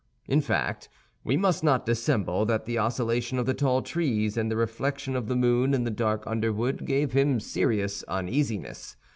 In fact, we must not dissemble that the oscillation of the tall trees and the reflection of the moon in the dark underwood gave him serious uneasiness.